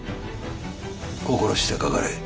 心してかかれ。